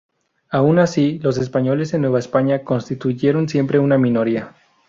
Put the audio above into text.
Aun así, los españoles en Nueva España constituyeron siempre una minoría.